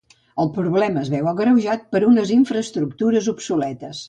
El problema es veu agreujat per unes infraestructures obsoletes.